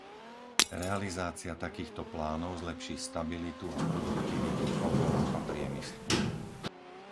Realizácia takýchto plánov zlepší stabilitu a produktivitu chovov a priemyslu.